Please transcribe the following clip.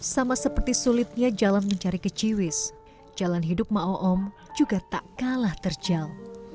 sama seperti sulitnya jalan mencari keciwis jalan hidup ma'oom juga tak kalah terjal